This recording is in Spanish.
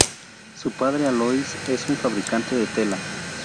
Su padre, Alois, es un fabricante de tela.